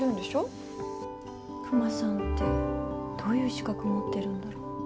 クマさんってどういう資格持ってるんだろ？